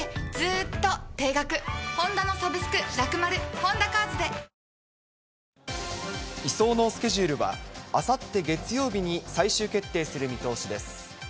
続いては、ニュースをお伝えしま移送のスケジュールは、あさって月曜日に最終決定する見通しです。